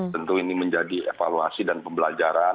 tentu ini menjadi evaluasi dan pembelajaran